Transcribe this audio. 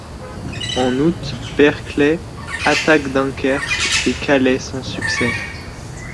En août, Berkeley attaque Dunkerque et Calais sans succès.